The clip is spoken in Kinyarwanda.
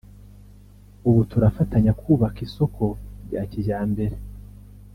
ubu turafatanya kubaka isoko rya kijyambere”